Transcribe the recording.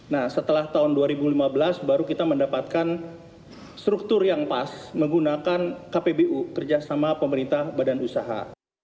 nah setelah tahun dua ribu lima belas baru kita mendapatkan struktur yang pas menggunakan kpbu kerjasama pemerintah badan usaha